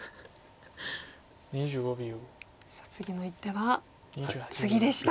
さあ次の一手はツギでした！